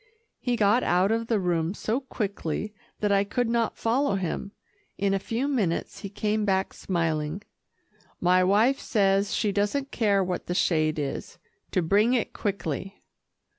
He got out of the room so quickly, that I could not follow him. In a few minutes he came back smiling. "My wife says she doesn't care what the shade is to bring it quickly."